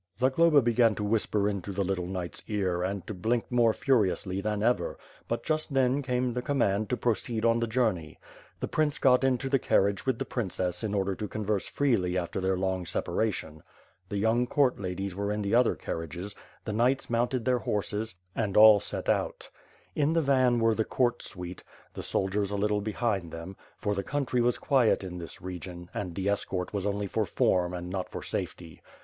Zagloba began to whisper into the little knight's ear and to blink more furiously than ever, but just then came the command to proceed on the journey. The prince got into the carriage with the princess in order to converse freely after their long separation. The young court ladies were in the other carriages, the knights mounted their horses and all 34 530 WITH FIRE AND SWORD, set out. In the van, were the court suite, the soldiers a little behind them; for the country was quiet in this region, and the escort was only for form not for safety.